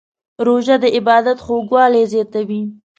روژه د عبادت خوږوالی زیاتوي.